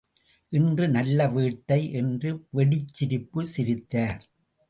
இன்று நல்ல வேட்டை என்று வெடிச் சிரிப்பு சிரித்தார்.